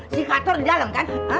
si kator di dalam kan